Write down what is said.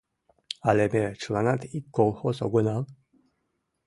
Але ме чыланат ик колхоз огынал?